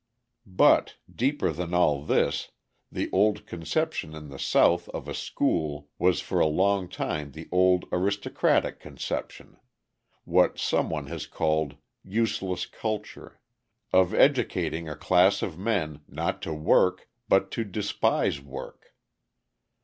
But, deeper than all this, the old conception in the South of a school was for a long time the old aristocratic conception what some one has called "useless culture" of educating a class of men, not to work, but to despise work.